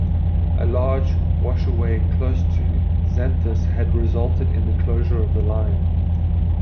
A large washaway close to Zanthus had resulted in the closure of the line.